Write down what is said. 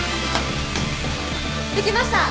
できました。